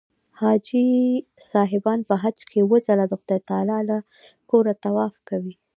حاجي صاحبان په حج کې اووه ځله د خدای تعلی له کوره طواف کوي.